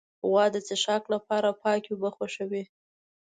غوا د څښاک لپاره پاکې اوبه خوښوي.